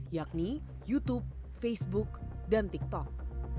yakni youtube facebook dan tiktok